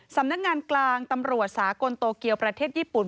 สำนักงานกลางตำรวจสากลโตเกียวประเทศญี่ปุ่น